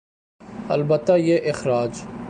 البتہ یہ اخراج